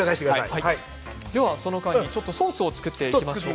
その間にソースを作っていきます。